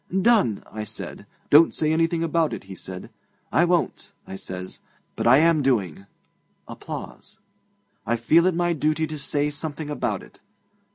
"Done," I said. "Don't say anything about it," he says. "I won't," I says but I am doing. I feel it my duty to say something about it.